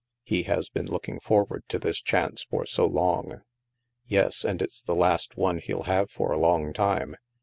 He has been looking forward to this chance for so long." " Yes. And it's the last one he'll have for a long time.